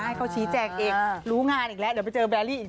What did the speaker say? ให้เขาชี้แจงเองรู้งานอีกแล้วเดี๋ยวไปเจอแบรี่อีก